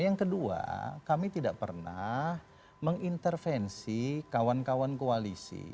yang kedua kami tidak pernah mengintervensi kawan kawan koalisi